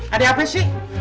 ada apa sih